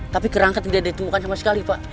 tapi kerangka tidak ditemukan sama sekali pak